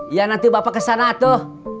iya nanti bapak kesana tuh